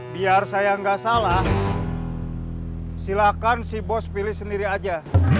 biar saya nggak salah silakan si bos pilih sendiri aja